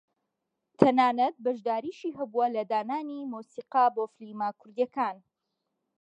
تەنانەت بەشداریشی هەبووە لە دانانی مۆسیقا بۆ فیلمە کوردییەکان